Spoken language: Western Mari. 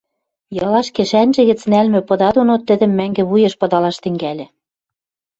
ялаш кӹшӓнжӹ гӹц нӓлмӹ пыда доно тӹдӹм мӓнгӹ вуеш пыдалаш тӹнгӓльӹ.